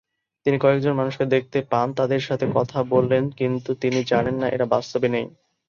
তিনি কয়েকজন মানুষকে দেখতে পান, তাদের সাথে কথা বলেন কিন্তু তিনি জানেন না এরা বাস্তবে নেই!